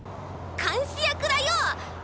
監視役だよ！